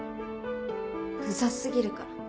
ウザ過ぎるから。